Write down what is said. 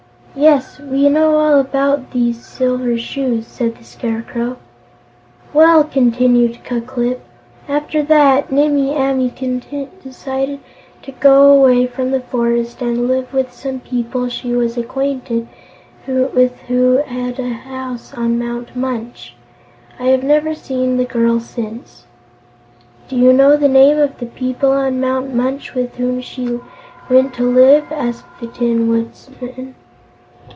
"Yes, we know all about those Silver Shoes," said the Scarecrow. "Well," continued Ku Klip, "after that, Nimmie Amee decided to go away from the forest and live with some people she was acquainted with who had a house on Mount Munch. I have never seen the girl since." "Do you know the name of the people on Mount Munch, with whom she went to live?" asked the Tin Woodman.